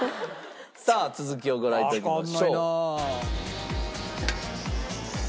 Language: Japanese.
さあ続きをご覧いただきましょう。